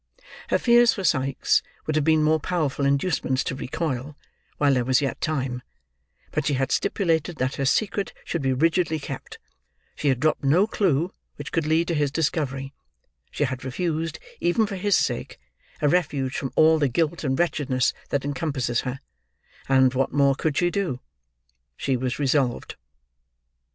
Her fears for Sikes would have been more powerful inducements to recoil while there was yet time; but she had stipulated that her secret should be rigidly kept, she had dropped no clue which could lead to his discovery, she had refused, even for his sake, a refuge from all the guilt and wretchedness that encompasses her—and what more could she do! She was resolved.